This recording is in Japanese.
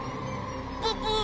ププ！